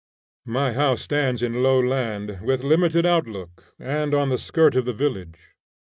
My house stands in low land, with limited outlook, and on the skirt of the village.